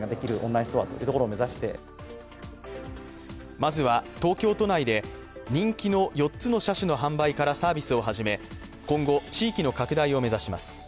まずは、東京都内で人気の４つの車種の販売からサービスを始め、今後、地域の拡大を目指します。